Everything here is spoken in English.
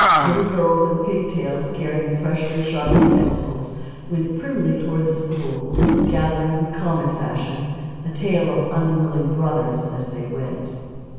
Little girls in pig tails, carrying freshly sharpened pencils, went primly toward the school, gathering, comet fashion, a tail of unwilling brothers as they went.